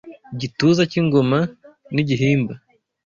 Igituza cy’ingoma n' Igihimba